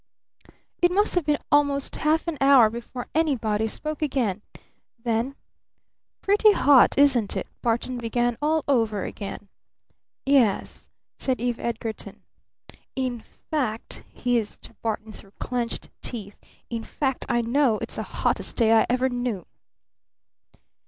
It must have been almost half an hour before anybody spoke again. Then, "Pretty hot, isn't it?" Barton began all over again. "Yes," said Eve Edgarton. "In fact," hissed Barton through clenched teeth, "in fact I know it's the hottest day I ever knew!"